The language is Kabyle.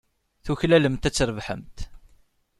Tuklalemt ad trebḥemt.